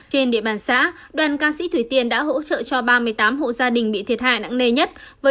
trên địa bàn xã đoàn ca sĩ thủy tiên đã hỗ trợ cho ba mươi tám hộ gia đình bị thiệt hại nặng nề nhất với